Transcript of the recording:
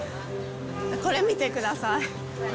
これ見てください。